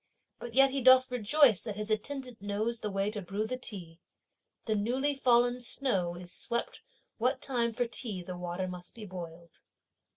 But yet he doth rejoice that his attendant knows the way to brew the tea. The newly fallen snow is swept what time for tea the water must be boiled.